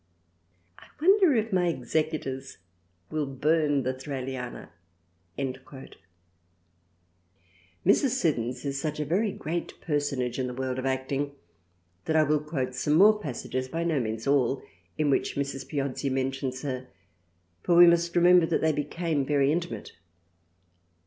I wonder if my Executors will burn the Thraliana." Mrs. Siddons is such a very great personage in the world of acting that I will quote some more passages — by no means all — in which Mrs. Piozzi mentions her, for we must remember that they became very intimate.